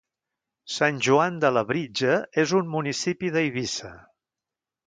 Sant Joan de Labritja és un municipi d'Eivissa.